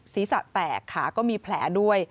ศีรษะแตกขาก็มีแผลด้วย